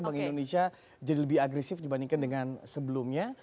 bank indonesia jadi lebih agresif dibandingkan dengan sebelumnya